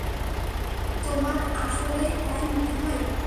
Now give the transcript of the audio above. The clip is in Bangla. তোমার আসলেই তাই মনে হয়?